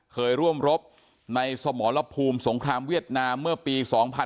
เคยร่วมรบในสมรภูมิสงครามเวียดนามเมื่อปี๒๕๕๙